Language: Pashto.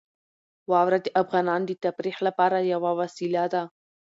واوره د افغانانو د تفریح لپاره یوه وسیله ده.